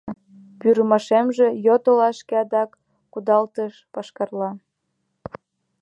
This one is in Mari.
Пӱрымашемже йот олашке адак кудалтыш пашкарла.